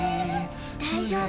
大丈夫。